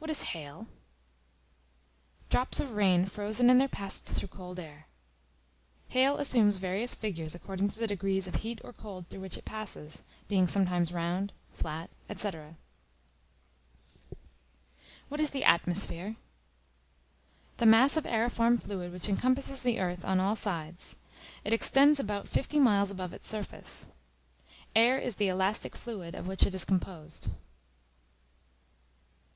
What is Hail? Drops of rain frozen in their passage through cold air. Hail assumes various figures according to the degrees of heat or cold through which it passes, being sometimes round, flat, &c. What is the Atmosphere? The mass of aëriform fluid which encompasses the earth on all sides: it extends about fifty miles above its surface. Air is the elastic fluid of which it is composed.